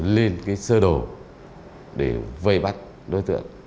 linh cái sơ đồ để vây bắt đối tượng